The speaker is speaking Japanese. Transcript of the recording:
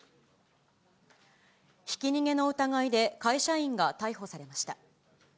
ひき逃げの疑いで会社員が逮捕されました。